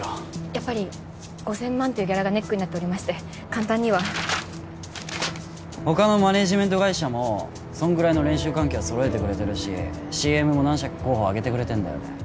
やっぱり５０００万というギャラがネックになっておりまして簡単には他のマネジメント会社もそんぐらいの練習環境はそろえてくれてるしＣＭも何社か候補挙げてくれてんだよね